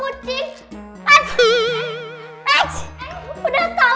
udah tau ada orang